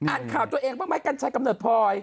อ่านข่าวตัวเองบ้างไหมกัญชัยกำเนิดพลอย